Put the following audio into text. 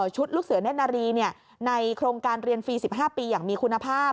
ลูกเสือเน่นนารีในโครงการเรียนฟรี๑๕ปีอย่างมีคุณภาพ